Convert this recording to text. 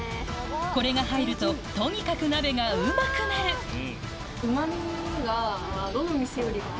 これが入るととにかく鍋がうまくなる最高。